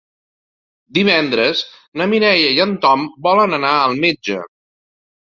Divendres na Mireia i en Tom volen anar al metge.